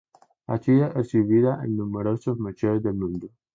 Ha sido exhibida en numerosos museos del mundo.